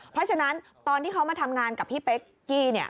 เพราะฉะนั้นตอนที่เขามาทำงานกับพี่เป๊กกี้เนี่ย